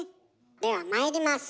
ではまいります。